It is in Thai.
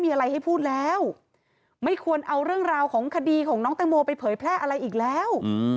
ไม่ควรเอาเรื่องราวของคดีของน้องเตงโมไปเผยแพร่อะไรอีกแล้ว